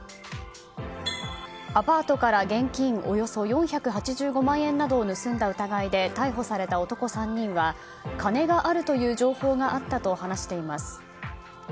アパートから現金およそ４８５万円を盗んだ疑いで逮捕された男３人は金があるという情報があったと話しています。